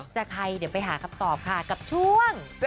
ใครเดี๋ยวไปหาคำตอบค่ะกับช่วง